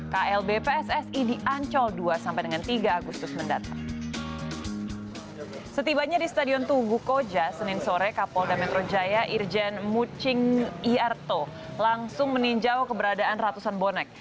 kebanyakan di stadion tugu koja senin sore kapolda metro jaya irjen mucing iarto langsung meninjau keberadaan ratusan bonek